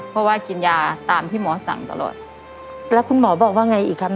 เพราะว่ากินยาตามที่หมอสั่งตลอดแล้วคุณหมอบอกว่าไงอีกครับ